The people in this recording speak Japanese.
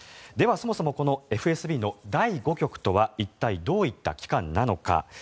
ではそもそもこのＦＳＢの第５局とは一体どういった機関なのか。